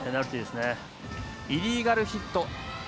イリーガルヒット。